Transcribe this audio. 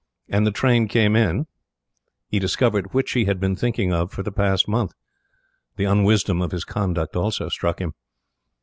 And the train came in, he discovered which he had been thinking of for the past month. The unwisdom of his conduct also struck him.